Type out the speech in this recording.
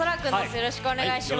よろしくお願いします。